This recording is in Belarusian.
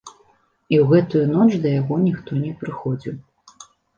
І ў гэту ноч да яго ніхто не прыходзіў.